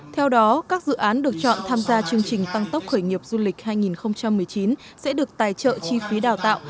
theo đó các dự án được chọn tham gia chương trình tăng tốc khởi nghiệp du lịch hai nghìn một mươi chín sẽ được tài trợ chi phí đào tạo